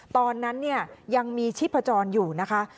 ตอนนั้นยังมีชิดภัจรอยู่นะคะ